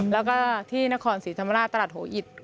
แล้วก็ที่นครศรีธรรมราชตลาดหัวอิต